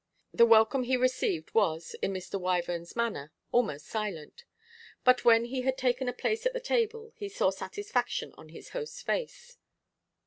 The welcome he received was, in Mr. Wyvern's manner, almost silent; but when he had taken a place at the table he saw satisfaction on his host's face.